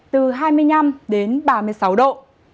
từ hai mươi năm đến ba mươi sáu độ